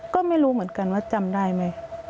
ก็ไม่รู้เหมือนกันว่าจำได้ไหม